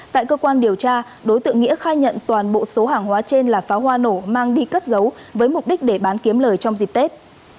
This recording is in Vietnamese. tại cơ quan điều tra đối tượng nghĩa khai nhận toàn bộ số hàng hóa trên là pháo hoa nổ mang đi cất giấu với mục đích để bán kiếm lời trong dịp tết